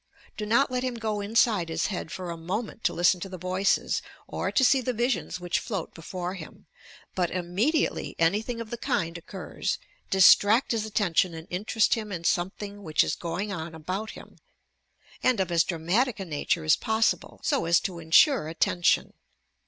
Do not let him go inside his bead for a moment to listen to the voices or to see the visions which float before him; but, immedi ately anything of the kind occurs, distract his attention and interest him in something which is going on about him, and of as dramatic a nature as possible, so as to insure attention.